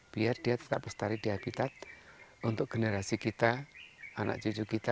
biar dia tetap berstari di habitat untuk generasi kita anak cucu kita